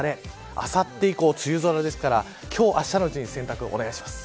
あさって以降梅雨空ですから今日、あしたのうちに洗濯をお願いします。